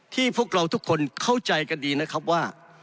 พวกเราทุกคนเข้าใจกันดีนะครับว่า